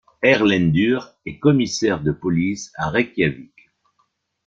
Erlendur est commissaire de police à Reykjavik.